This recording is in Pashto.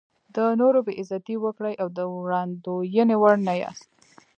د نورو بې عزتي وکړئ او د وړاندوینې وړ نه یاست.